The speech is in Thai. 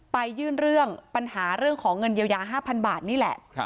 ยื่นเรื่องปัญหาเรื่องของเงินเยียวยา๕๐๐บาทนี่แหละ